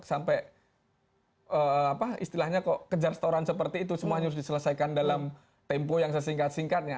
sampai apa istilahnya kok kejar setoran seperti itu semuanya harus diselesaikan dalam tempo yang sesingkat singkatnya